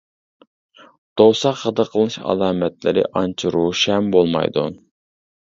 دوۋساق غىدىقلىنىش ئالامەتلىرى ئانچە روشەن بولمايدۇ.